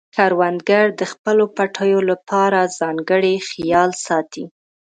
کروندګر د خپلو پټیو لپاره ځانګړی خیال ساتي